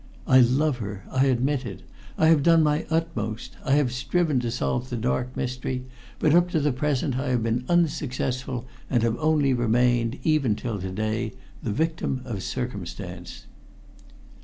I love her I admit it. I have done my utmost: I have striven to solve the dark mystery, but up to the present I have been unsuccessful, and have only remained, even till to day, the victim of circumstance."